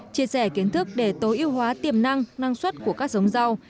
chia sẻ kiến thức để tối ưu hóa tiềm năng năng suất của các giống rau